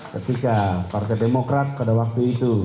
ketika partai demokrat pada waktu itu